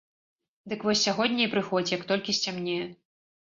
Дык вось сягоння і прыходзь, як толькі сцямнее.